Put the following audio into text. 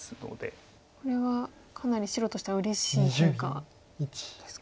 これはかなり白としてはうれしい変化ですか？